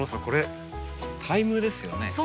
これタイムですよね？